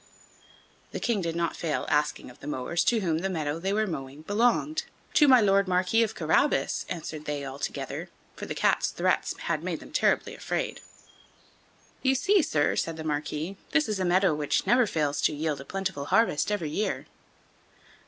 The King did not fail asking of the mowers to whom the meadow they were mowing belonged. "To my Lord Marquis of Carabas," answered they altogether, for the Cat's threats had made them terribly afraid. "You see, sir," said the Marquis, "this is a meadow which never fails to yield a plentiful harvest every year."